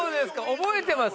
覚えてます？